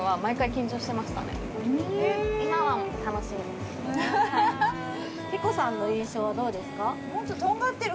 へえヒコさんの印象はどうですか？